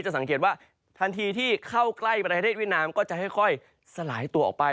สังเกตว่าทันทีที่เข้าใกล้ประเทศเวียดนามก็จะค่อยสลายตัวออกไป